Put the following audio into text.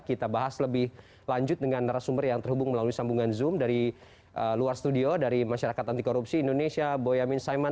kita bahas lebih lanjut dengan narasumber yang terhubung melalui sambungan zoom dari luar studio dari masyarakat antikorupsi indonesia boyamin saiman